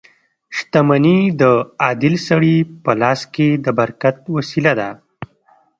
• شتمني د عادل سړي په لاس کې د برکت وسیله ده.